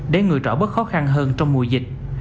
để người trở bớt khó khăn hơn trong mùa dịch